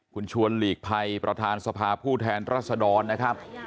คุณชวนหลีกภัยประธานสภาผู้แทนรัศดรนะครับ